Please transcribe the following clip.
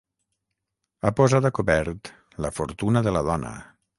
Ha posat a cobert la fortuna de la dona.